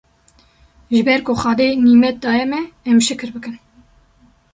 ji ber ku Xwedê nîmet daye me em şikir bikin